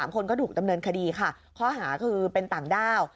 ๓คนก็ถูกดำเนินคดีค่ะข้อหาคือเป็นต่างด้าว